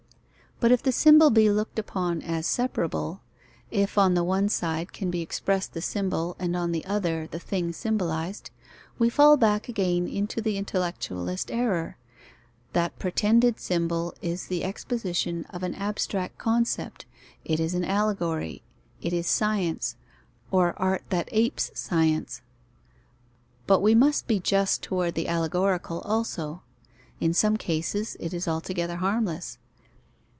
But if the symbol be looked upon as separable if on the one side can be expressed the symbol, and on the other the thing symbolized, we fall back again into the intellectualist error: that pretended symbol is the exposition of an abstract concept, it is an allegory, it is science, or art that apes science. But we must be just toward the allegorical also. In some cases, it is altogether harmless.